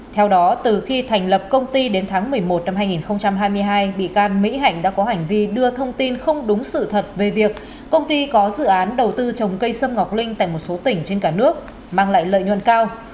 theo đó từ khi thành lập công ty đến tháng một mươi một năm hai nghìn hai mươi hai bị can mỹ hạnh đã có hành vi đưa thông tin không đúng sự thật về việc công ty có dự án đầu tư trồng cây sâm ngọc linh tại một số tỉnh trên cả nước mang lại lợi nhuận cao